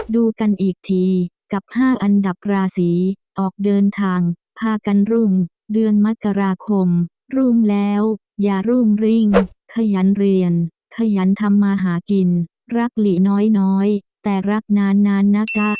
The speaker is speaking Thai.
ดูกันอีกทีกับ๕อันดับราศีออกเดินทางพากันรุ่งเดือนมกราคมรุ่งแล้วอย่ารุ่งริ่งขยันเรียนขยันทำมาหากินรักหลีน้อยแต่รักนานนะจ๊ะ